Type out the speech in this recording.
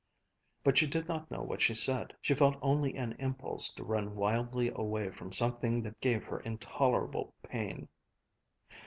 But she did not know what she said. She felt only an impulse to run wildly away from something that gave her intolerable pain.